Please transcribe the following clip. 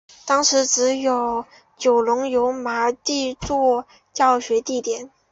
当时只有九龙油麻地作教学地点。